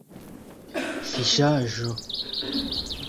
fiŝaĵo